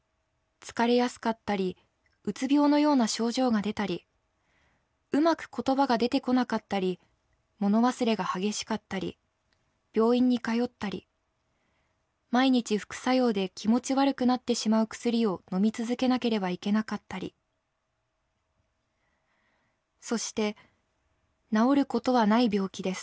疲れやすかったりうつ病のような症状が出たりうまく言葉が出てこなかったり物忘れが激しかったり病院に通ったり毎日副作用で気持ち悪くなってしまう薬を飲み続けなければいけなかったりそして治ることはない病気です。